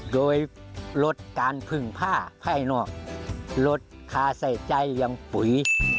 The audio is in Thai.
โดยลดการผึงผ้าให้นอกลดคาไส้ใจให้ปุย